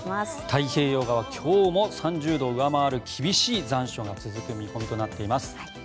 太平洋側今日も３０度を上回る厳しい残暑が続く見込みとなっています。